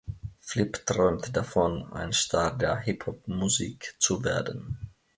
Flip träumt davon, ein Star der Hip-Hop-Musik zu werden.